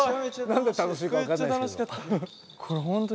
何で楽しいか分かんないですけど。